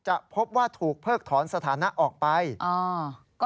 ยอมรับว่าการตรวจสอบเพียงเลขอยไม่สามารถทราบได้ว่าเป็นผลิตภัณฑ์ปลอม